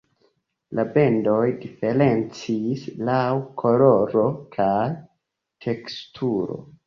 La bendoj diferencis laŭ koloro kaj teksturo.